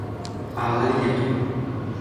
ala li jaki.